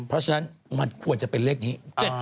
เพราะฉะนั้นมันควรจะเป็นเลขนี้